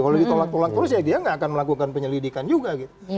kalau ditolak tolak terus ya dia nggak akan melakukan penyelidikan juga gitu